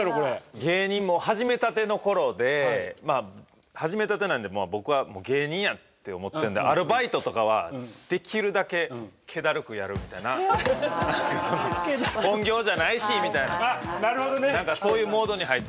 芸人始めたてのころで始めたてなんで僕は芸人やって思ってるんでアルバイトとかはできるだけけだるくやるみたいな本業じゃないしみたいな何かそういうモードに入っちゃってて。